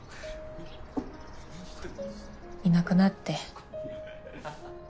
いなくなって。